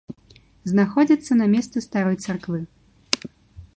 Знаходзіцца на месцы старой царквы.